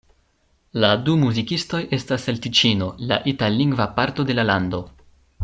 La du muzikistoj estas el Tiĉino, la itallingva parto de la lando.